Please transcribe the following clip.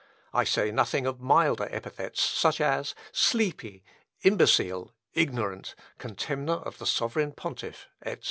I say nothing of milder epithets, such as sleepy, imbecile, ignorant, contemner of the sovereign pontiff, etc.